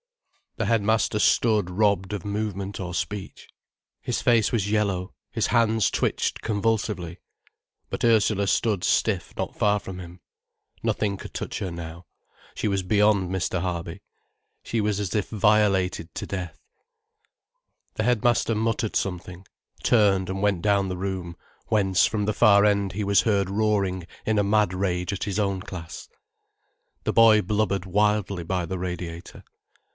The headmaster stood robbed of movement or speech. His face was yellow, his hands twitched convulsively. But Ursula stood stiff not far from him. Nothing could touch her now: she was beyond Mr. Harby. She was as if violated to death. The headmaster muttered something, turned, and went down the room, whence, from the far end, he was heard roaring in a mad rage at his own class. The boy blubbered wildly by the radiator.